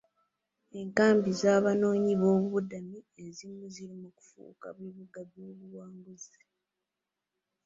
Enkambi z'Abanoonyi boobubudamu ezimu ziri mu kufuuka bibuga eby'obuwangaazi.